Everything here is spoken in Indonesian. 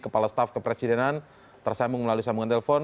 kepala staf kepresidenan tersambung melalui sambungan telepon